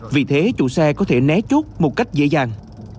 vì thế chủ xe có thể né chốt một cách dễ dàng